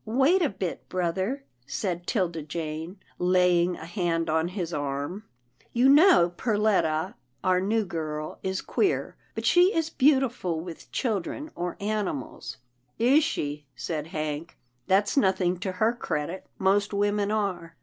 " Wait a bit, brother," said 'Tilda Jane, laying a hand on his arm. " You know Perletta, our new girl, is queer, but she is beautiful with children or animals." 216 'TILDA JANE'S ORPHANS "Is she?" said Hank, "that's nothing to her credit, most women are."